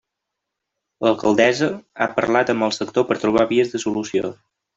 L'alcaldessa ha parlat amb el sector per trobar vies de solució.